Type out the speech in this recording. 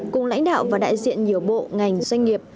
cùng lãnh đạo và đại diện nhiều bộ ngành doanh nghiệp